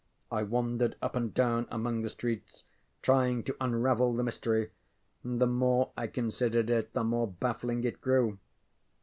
I wandered up and down among the streets trying to unravel the mystery, and the more I considered it, the more baffling it grew.